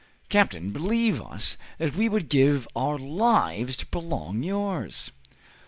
"Captain, believe us that we would give our lives to prolong yours."